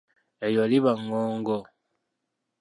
Eryo liba ngongo.